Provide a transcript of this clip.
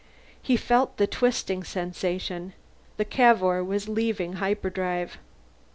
He felt the twisting sensation. The Cavour was leaving hyperdrive.